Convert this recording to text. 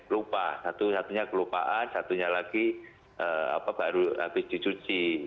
lupa satu satunya kelupaan satunya lagi baru habis dicuci